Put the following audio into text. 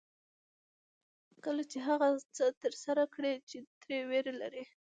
کله چې هغه څه ترسره کړئ چې ترې وېره لرئ.